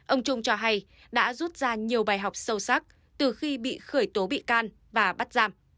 ông trung cho hay đã rút ra nhiều bài học sâu sắc